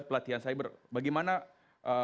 bagaimana perang cyber bisa diadakan